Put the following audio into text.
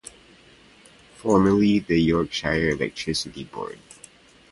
Formerly the Yorkshire Electricity Board.